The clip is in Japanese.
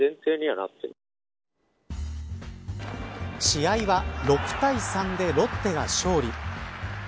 試合は６対３でロッテが勝利。